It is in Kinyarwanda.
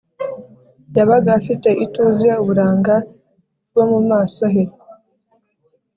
yabaga afite ituze uburanga bwo mu maso he